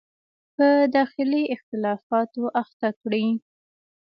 په داخلي اختلافاتو اخته کړي.